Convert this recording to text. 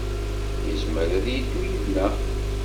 Yezmer ad yeddu yid-neɣ.